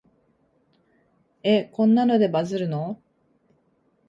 え、こんなのでバズるの？